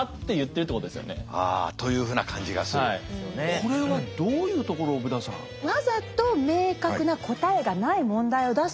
これはどういうところをブダさん。